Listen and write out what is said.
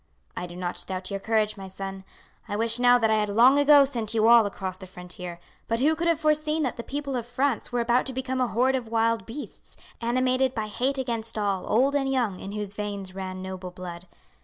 "I do not doubt your courage, my son. I wish now that I had long ago sent you all across the frontier; but who could have foreseen that the people of France were about to become a horde of wild beasts, animated by hate against all, old and young, in whose veins ran noble blood.